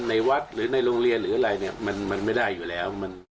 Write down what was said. ในวัดหรือในโรงเรียนหรืออะไรเนี่ยมันไม่ได้อยู่แล้ว